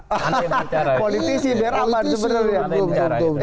politik sih berapa sebenarnya